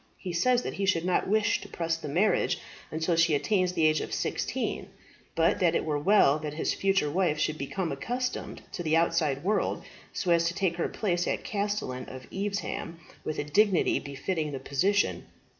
He says that he should not wish to press the marriage until she attains the age of sixteen, but that it were well that his future wife should become accustomed to the outside world, so as to take her place as Castellan of Evesham with a dignity befitting the position.